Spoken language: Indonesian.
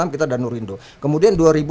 kita dan nurindo kemudian dua ribu empat